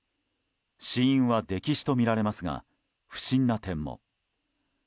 死因は溺死とみられますが不審な点も。